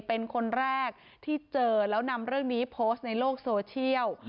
เป็นคนแรกที่เจอแล้วนำเรื่องนี้โพสต์ในโลกโซเชียล